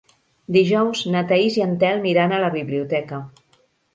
Dijous na Thaís i en Telm iran a la biblioteca.